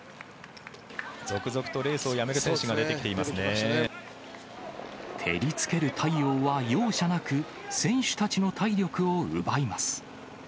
続々とレースをやめる選手が照りつける太陽は容赦なく、選手たちの体力を奪います。